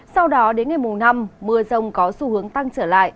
sau đó đến ngày mùng năm mưa rông có xu hướng tăng trở lại